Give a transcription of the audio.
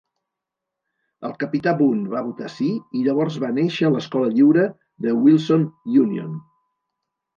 El capità Bunn va votar "sí" i llavors va néixer l'escola lliure de Wilson Union.